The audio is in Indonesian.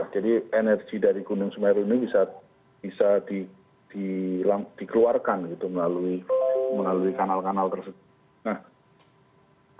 jadi energi dari gunung sumeru ini bisa dikeluarkan melalui kanal kanal tersebut